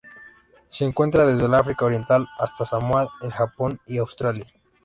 Se encuentra desde el África Oriental hasta Samoa, el Japón y Australia.